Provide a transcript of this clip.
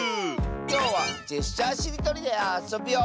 きょうは「ジェスチャーしりとり」であそぶよ！